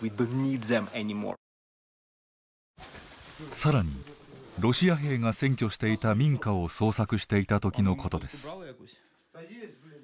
更にロシア兵が占拠していた民家を捜索していた時のことです。